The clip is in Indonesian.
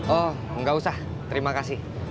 oh nggak usah terima kasih